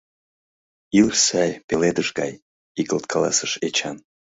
— Илыш сай, пеледыш гай! — игылт каласыш Эчан.